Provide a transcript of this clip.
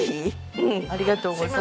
ありがとうございます。